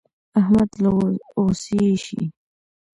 احمد له غوسې اېشي.